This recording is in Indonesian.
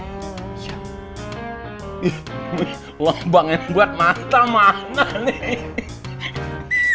wih wih wih wang bangen buat mata mana nih